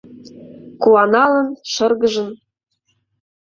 Куаналын, шыргыжын.